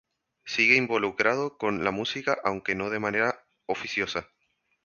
Sigue involucrado con la música, aunque no de manera oficiosa.